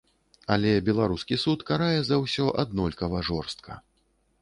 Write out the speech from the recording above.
Але беларускі суд карае за ўсё аднолькава жорстка.